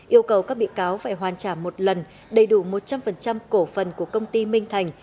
yêu cầu các bị cáo phải hoàn trả một lần đầy đủ một trăm linh cổ phần của công ty minh thành